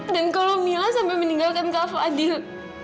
dan kalau mila sampai meninggalkan kak fadil